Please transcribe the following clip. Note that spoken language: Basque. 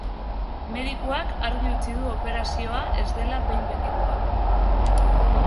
Medikuak argi utzi du operazioa ez dela behin betikoa.